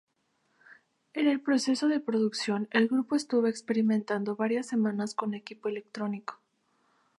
En el proceso de producción el grupo estuvo experimentando varias semanas con equipo electrónico.